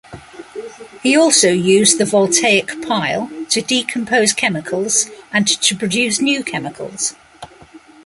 He also used the voltaic pile to decompose chemicals and to produce new chemicals.